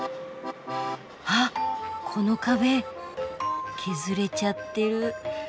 あっこの壁削れちゃってる。